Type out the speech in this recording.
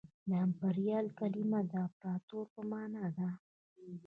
د امپریال کلمه د امپراطور په مانا ده